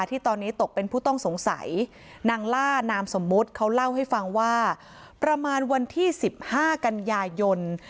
ที่ตอนนี้ตกเป็นผู้ต้องสงสัยนางล่านามสมมุติเขาเล่าให้ฟังว่าประมาณวันที่๑๕กันยายน